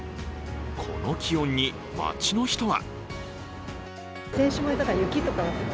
この気温に街の人は？